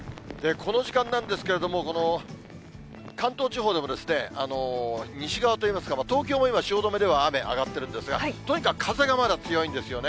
この時間なんですけれども、この関東地方でも、西側といいますか、東京も今、汐留では雨上がってるんですが、とにかく風がまだ強いんですよね。